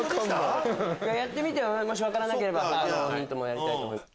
やってみて分からなければ他のヒントもやりたいと思います。